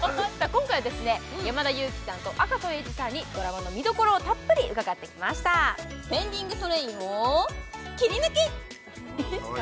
今回はですね山田裕貴さんと赤楚衛二さんにドラマの見どころをたっぷり伺ってきました「ペンディングトレイン」をキリヌキ！